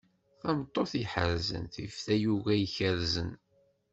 Tameṭṭut iḥerrzen, tif tayuga ikerrzen.